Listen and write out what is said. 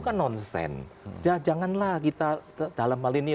kan nonsen ya janganlah kita dalam hal ini